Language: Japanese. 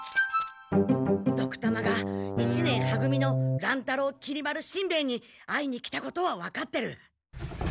ドクたまが一年は組の乱太郎きり丸しんべヱに会いに来たことはわかってる。